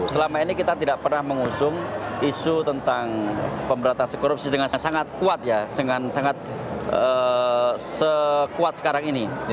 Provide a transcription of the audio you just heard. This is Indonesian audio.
selama ini kita tidak pernah mengusung isu tentang pemberantasan korupsi dengan sangat kuat ya dengan sangat sekuat sekarang ini